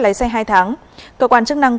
lái xe hai tháng cơ quan chức năng